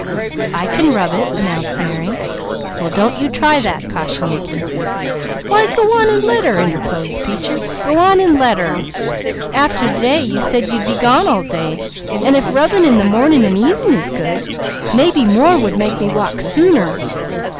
"I can rub it," announced Mary. "Well don't you try that," cautioned Mickey. "Why go on and let her!" interposed Peaches. "Go on and let her! After today you said you'd be gone all day, an' if rubbing in the morning and evening is good, maybe more would make me walk sooner.